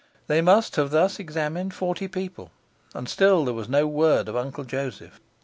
They must have thus examined forty people, and still there was no word of Uncle Joseph.